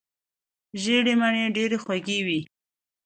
ژېړې مڼې ډېرې خوږې وي.